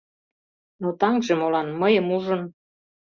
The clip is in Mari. Но таҥже молан, мыйым ужын